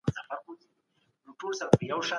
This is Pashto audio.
که منطقي تسلسل نه وي لوستونکی لاره ورکوي.